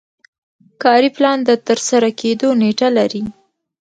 کاري پلان د ترسره کیدو نیټه لري.